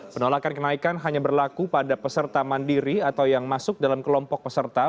penolakan kenaikan hanya berlaku pada peserta mandiri atau yang masuk dalam kelompok peserta